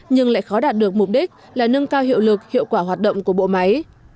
nhưng lại khó đạt được mục đích là nâng cao hiệu lực hiệu quả hoạt động của bộ máy